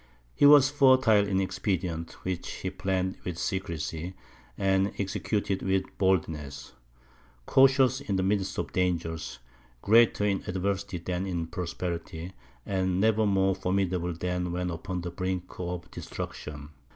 He was fertile in expedients, which he planned with secrecy, and executed with boldness; cautious in the midst of dangers, greater in adversity than in prosperity, and never more formidable than when upon the brink of destruction.